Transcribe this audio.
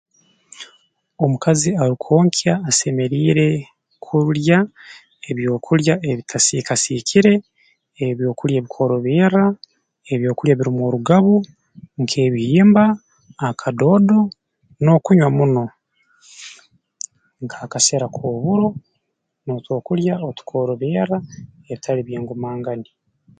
Omukazi arukwonkya asemeriire kulya ebyokulya ebitasiikasiikire ebyokulya ebikworoberra ebyokulya ebirumu orugabu nk'ebihimba akadoodo n'okunywa muno nk'akasera k'oburo n'otwokulya otukworoberra ebitali by'engumangani